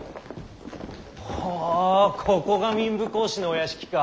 ほうここが民部公子のお屋敷か。